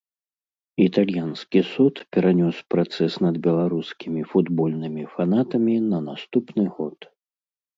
Італьянскі суд перанёс працэс над беларускімі футбольнымі фанатамі на наступны год.